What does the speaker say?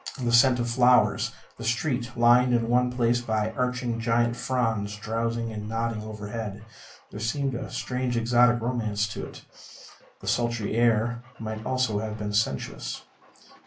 The scent of the flowers, the street lined in one place by arching giant fronds drowsing and nodding overhead there seemed a strange exotic romance to it. The sultry air might almost have been sensuous.